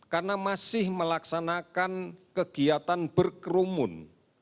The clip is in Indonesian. karena masih melaksanakan kegiatan berkerumun